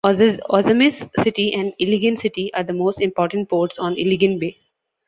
Ozamiz City and Iligan City are the most important ports on Iligan Bay.